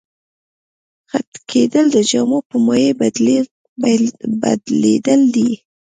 خټکېدل د جامد په مایع بدلیدل دي.